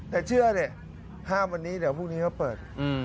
แต่เชื่อดิห้ามวันนี้เดี๋ยวพรุ่งนี้เขาเปิด